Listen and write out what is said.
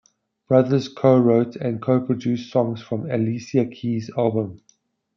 Brothers co-wrote and co-produced songs from Alicia Keys's albums.